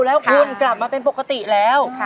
แล้วคุณกลับมาเป็นปกติแล้ว